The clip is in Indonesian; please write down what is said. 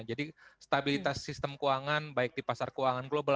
jadi stabilitas sistem keuangan baik di pasar keuangan global